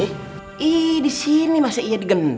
maksudnya maksudnya mahasingwara blijasi agama